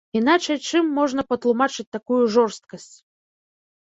Іначай чым можна патлумачыць такую жорсткасць.